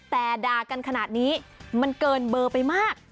แต่ด่ากันขนาดนี้มันเกินเบอร์ไปมาก